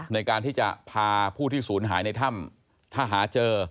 ในการที่จะพาผู้ที่ศูนย์หายในถ้ำถ้าหาเจอ